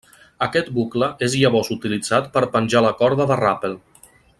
Aquest bucle és llavors utilitzat per a penjar la corda de ràpel.